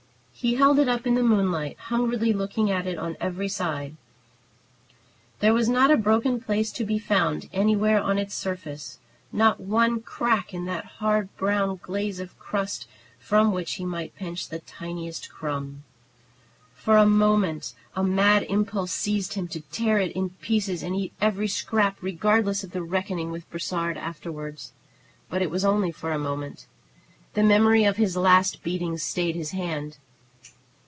He held it up in the moonlight, hungrily looking at it on every side. There was not a broken place to be found anywhere on its surface; not one crack in all that hard, brown glaze of crust, from which he might pinch the tiniest crumb. For a moment a mad impulse seized him to tear it in pieces, and eat every scrap, regardless of the reckoning with Brossard afterwards. But it was only for a moment. The memory of his last beating stayed his hand.